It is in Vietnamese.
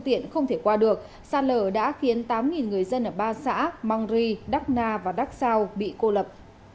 hiện không thể qua được xa lờ đã khiến tám người dân ở ba xã mang ri đắc na và đắc sao bị cô lập